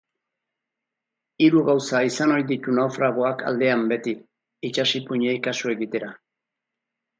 Hiru gauza izan ohi ditu naufragoak aldean beti, itsas ipuinei kasu egitera.